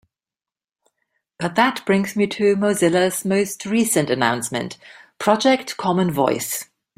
But that brings me to Mozilla's more recent announcement: Project Common Voice.